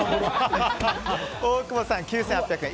大久保さん、９８００円。